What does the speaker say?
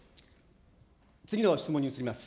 次の質問に移ります。